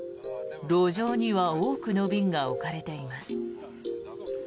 路上には多くの瓶が置かれています。